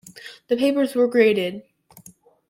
The papers were graded.